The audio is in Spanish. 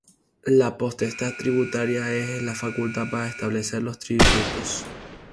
La potestad tributaria es la facultad para establecer los tributos.